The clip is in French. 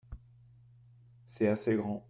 c'est assez grand.